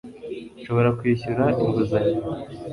Nshobora kwishyura inguzanyo